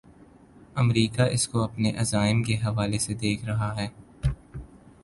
امریکہ اس کو اپنے عزائم کے حوالے سے دیکھ رہا ہے۔